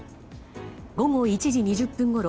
午後１時２０分ごろ